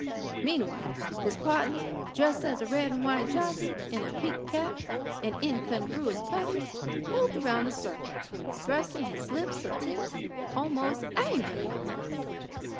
Meanwhile, his partner, dressed as a red and white jockey, in a peaked cap and incongruous puttees, moved round the circle thrusting his slips of tips almost angrily on us.